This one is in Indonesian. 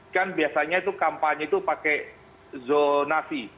kan biasanya itu kampanye itu pakai zonasi